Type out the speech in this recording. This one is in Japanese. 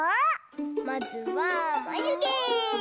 まずはまゆげ！